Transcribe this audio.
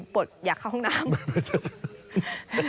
ปลดอยากเข้าห้องน้ำ